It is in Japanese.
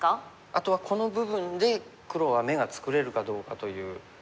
あとはこの部分で黒は眼が作れるかどうかという。